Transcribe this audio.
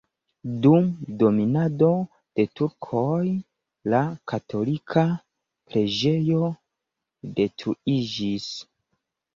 Dum dominado de turkoj la katolika preĝejo detruiĝis.